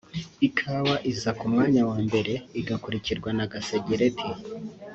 Ikawa iza ku mwanya wa mbere igakurikirwa na gasegereti